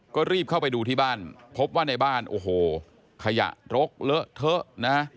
ก็รีบเข้าไปดูที่บ้านพบว่าในบ้านโอ้โหขยะรกเลอะเทอะนะ